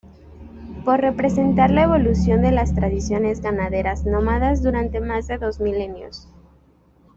Por representar la evolución de las tradiciones ganaderas nómadas durante más de dos milenios.